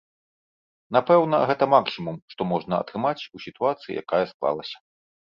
Напэўна, гэта максімум, што можна атрымаць у сітуацыі, якая склалася.